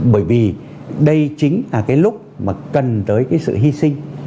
bởi vì đây chính là cái lúc mà cần tới cái sự hy sinh